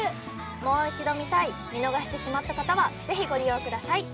もう一度見たい見逃してしまった方はぜひご利用ください。